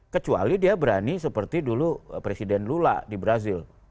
kecuali dia berani seperti dulu presiden lula di brazil